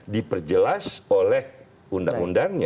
diperjelas oleh undang undangnya